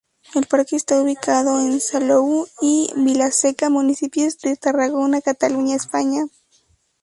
El parque está ubicado en Salou y Vilaseca, municipios de Tarragona, Cataluña, España.